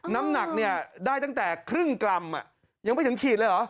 น้ำหนักเนี่ยได้ตั้งแต่ครึ่งกรัมยังไม่ถึงขีดเลยเหรอ